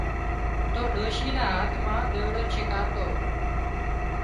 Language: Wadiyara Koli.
تو ڏوشي نا هاٿ مان ۮوئيڙُ ڇڪاتو